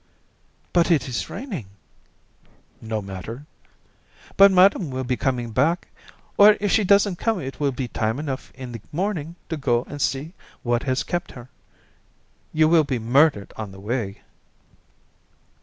"But it is raining." "No matter." "But madame will be coming back, or if she doesn't come it will be time enough in the morning to go and see what has kept her. You will be murdered on the way."